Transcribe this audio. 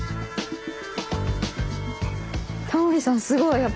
すごい。